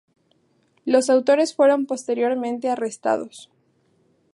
Los autores fueron posteriormente arrestados.